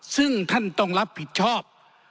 ซึ่งท่านต้องรับผิดชอบ